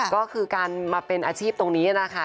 ก็คือการมาเป็นอาชีพตรงนี้นะคะ